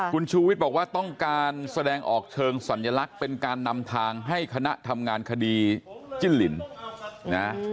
คุณชูวิทย์บอกว่าต้องการแสดงออกเชิงสัญลักษณ์เป็นการนำทางให้คณะทำงานคดีจิ้นลินนะ